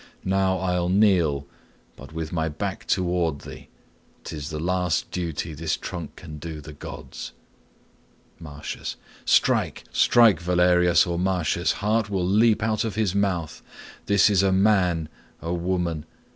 Now I'll kneel, But with my back toward thee; 'tis the last duty This trunk can do the gods. Martius. Strike, strike, Valerius, Or Martius' heart will leap out at his mouth. This is a man, a woman.